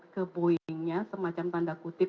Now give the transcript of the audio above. ke boeing nya semacam tanda kutip